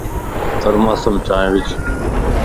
ٿرماس مَ چائي وج